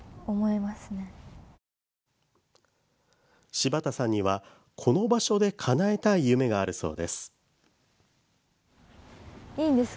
柴田さんには、この場所でかなえたい夢があるそうです。